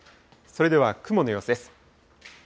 それでは雲の様子です。